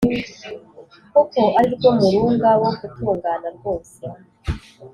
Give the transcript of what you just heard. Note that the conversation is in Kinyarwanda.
kuko ari rwo murunga wo gutungana rwose